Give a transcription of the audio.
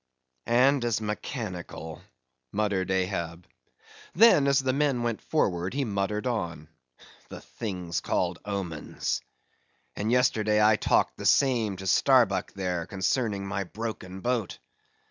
"And as mechanical," muttered Ahab. Then as the men went forward, he muttered on: "The things called omens! And yesterday I talked the same to Starbuck there, concerning my broken boat.